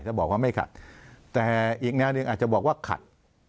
จะบอกว่าไม่ขัดแต่อีกแนวหนึ่งอาจจะบอกว่าขัด